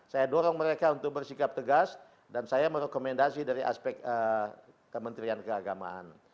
saya dorong mereka untuk bersikap tegas dan saya merekomendasi dari aspek kementerian keagamaan